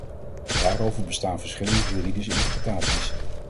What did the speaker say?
Daarover bestaan verschillende juridische interpretaties.